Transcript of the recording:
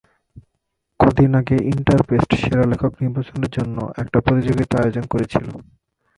কদিন আগে ইন্টারবেস্ট সেরা লেখক নির্বাচনের জন্য একটা প্রতিযোগিতা আয়োজন করেছিল।